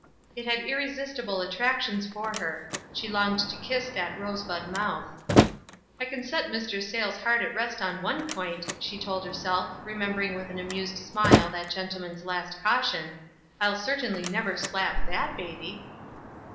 It had irresistible attractions for her ; she longed to kiss that rosebud mouth. "I can set Mr. Sayles' heart to rest on one point," she told herself, remembering with an amused smile that gentleman's last caution. "I'll certainly never slap that baby."